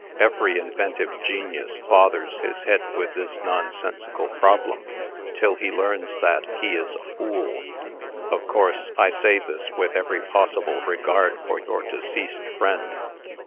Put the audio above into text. Every inventive genius bothers his head with this nonsensical problem, till he learns that he is a fool. Of course, I say this with every possible regard for your deceased friend.